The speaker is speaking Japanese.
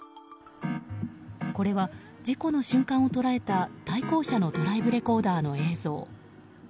これは事故の瞬間を捉えた対向車のドライブレコーダーの映像。